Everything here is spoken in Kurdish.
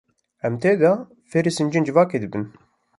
Em tê de, fêrî sincên civakê dibin.